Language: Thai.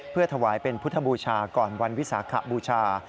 เพื่อถวายเป็นพุทธบูชาก่อนวันวิสาขบูชา